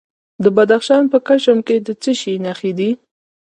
د بدخشان په کشم کې د څه شي نښې دي؟